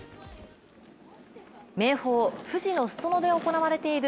名峰・富士裾野で行われている